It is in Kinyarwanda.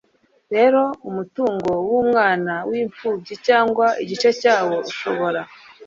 rero umutungo w'umwana w'imfubyi cyangwa igice cyawo, ushobora